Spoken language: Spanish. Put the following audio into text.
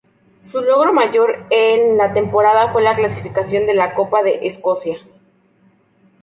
Su logro mayor en la temporada fue la clasificación de la Copa de Escocia.